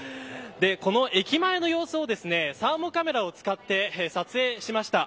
この駅前の様子をサーモカメラを使って撮影しました。